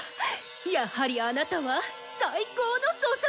やはりあなたは最高の素材！